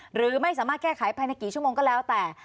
หรือไม่สามารถแก้ไขภายในกี่ชั่วโมงก็แล้วแต่